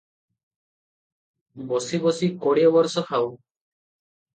ବସି ବସି କୋଡ଼ିଏ ବରଷ ଖାଉ ।"